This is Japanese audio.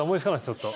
ちょっと。